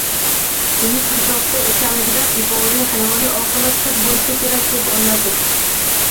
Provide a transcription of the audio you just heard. Uning hijobda ekanligidan iboli, hayoli, oqila qiz bo`lsa kerak deb o`yladim